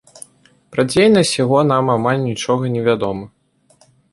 Пра дзейнасць яго нам амаль нічога не вядома.